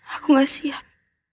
aku gak siap